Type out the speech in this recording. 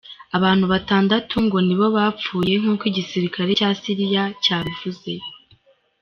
Abantu batandatu ngo nibo bapfuye, nkuko igisirikare ca Syria cavuze.